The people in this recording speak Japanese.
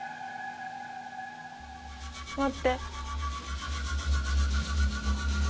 待って。